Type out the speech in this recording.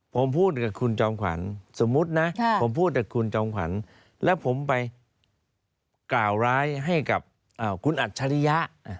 ผมพูดกับคุณจอมขวัญสมมุตินะผมพูดกับคุณจอมขวัญแล้วผมไปกล่าวร้ายให้กับคุณอัจฉริยะ